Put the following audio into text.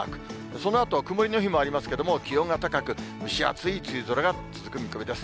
そのあと曇りの日もありますけど、気温が高く、蒸し暑い梅雨空が続く見込みです。